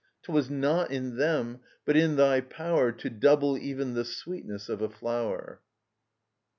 'twas not in them, but in thy power To double even the sweetness of a flower."